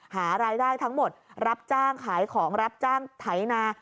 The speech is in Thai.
หารายได้ทั้งหมดรับจ้างขายของรับจ้างไถนา